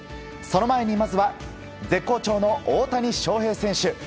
その前にまずは絶好調の大谷翔平選手。